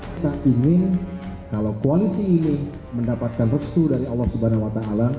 kita ingin kalau koalisi ini mendapatkan restu dari allah swt